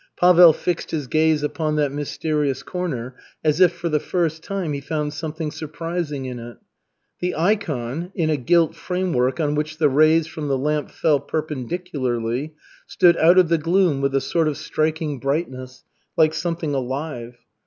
Pavel fixed his gaze upon that mysterious corner as if for the first time he found something surprising in it. The ikon, in a gilt framework on which the rays from the lamp fell perpendicularly, stood out of the gloom with a sort of striking brightness, like something alive.